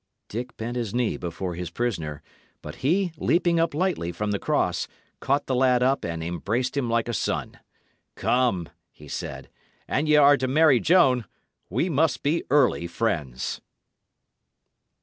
Dick bent his knee before his prisoner; but he, leaping up lightly from the cross, caught the lad up and embraced him like a son. "Come," he said, "an y' are to marry Joan, we must be early friends."